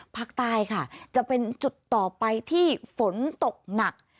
ภาคใต้ค่ะจะเป็นจุดต่อไปที่ฝนตกหนัก